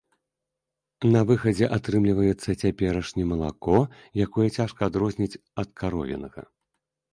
На выхадзе атрымліваецца цяперашні малако, якое цяжка адрозніць ад каровінага.